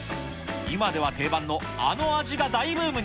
今では定番のあの味が大ブームに。